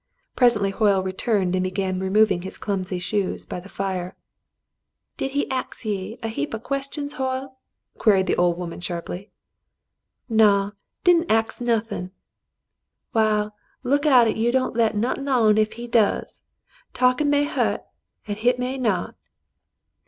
Presently Hoyle returned and began removing his clumsy shoes, by the fire. "Did he ax ye a heap o' questions, Hoyle .f^" queried the old woman sharply. *'Naw. Did'n' ax noth'n'." "Waal, look out 'at you don't let on nothin' ef he does. Talkin' may hurt, an' hit may not."